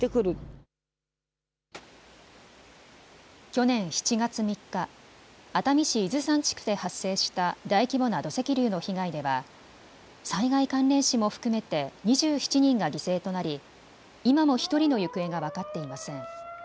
去年７月３日、熱海市伊豆山地区で発生した大規模な土石流の被害では災害関連死も含めて２７人が犠牲となり今も１人の行方が分かっていません。